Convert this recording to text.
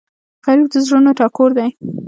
غریب د زړونو ټکور دی